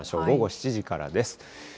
午後７時からです。